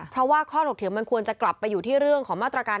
เพราะว่าข้อถกเถียงมันควรจะกลับไปอยู่ที่เรื่องของมาตรการ